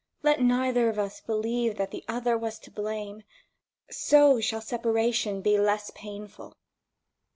Let neither of us believe that the other was to blame : so shall separation be less painful.